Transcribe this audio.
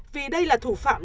vì đây là thủ phạm